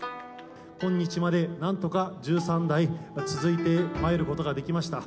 今日までなんとか十三代続いてまいることができました。